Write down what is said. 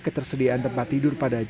ketersediaan tempat tidur pada